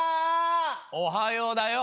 おはようだよ！